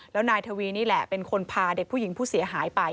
แล้วนายทวีนี่แหละเป็นคนพาเด็กผู้หญิงผู้เสียหายไป